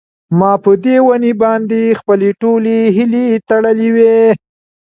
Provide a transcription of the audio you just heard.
ما په دې ونې باندې خپلې ټولې هیلې تړلې وې.